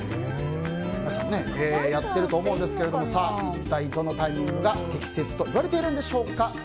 皆さん、やっていると思いますが一体どのタイミングが適切といわれているんでしょうか。